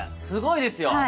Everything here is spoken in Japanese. すごいですよ。